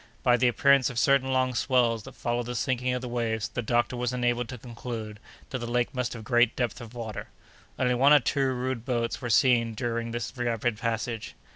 By the appearance of certain long swells that followed the sinking of the waves, the doctor was enabled to conclude that the lake must have great depth of water. Only one or two rude boats were seen during this rapid passage.